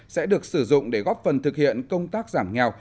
sẽ được sử dụng để góp phần thực hiện công tác giảm nghèo